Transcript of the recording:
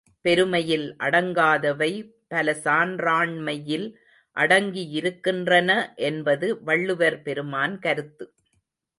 பெருமையில் அடங்காதவை பலசான்றாண்மையில் அடங்கியிருக்கின்றன என்பது வள்ளுவர்பெருமான்கருத்து.